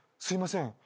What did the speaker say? すいません。